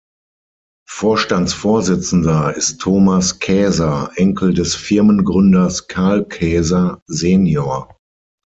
Vorstandsvorsitzender ist Thomas Kaeser, Enkel des Firmengründers Carl Kaeser senior.